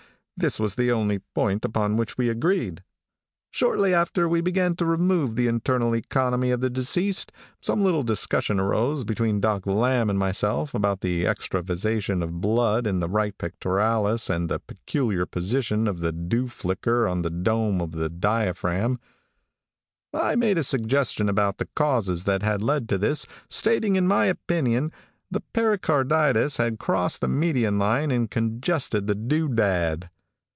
This was the only point upon which we agreed. "Shortly after we began to remove the internal economy of the deceased, some little discussion arose between Doc Lamb and myself about the extravasation of blood in the right pectoralis and the peculiar position of the dewflicker on the dome of the diaphragm. I made a suggestion about the causes that had led to this, stating, in my opinion, the pericarditis had crossed the median line and congested the dewdad.